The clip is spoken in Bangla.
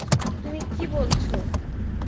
তুমি কি বলছ?